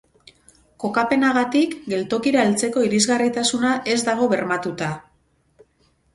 Kokapenagatik, geltokira heltzeko irisgarritasuna ez dago bermatuta.